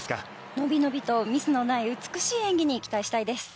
伸び伸びとミスのない美しい演技に期待したいです。